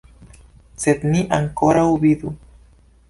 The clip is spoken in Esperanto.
Sed ni ankoraŭ vidu!